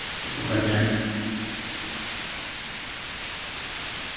Saya tidak butuh pekerjaanmu.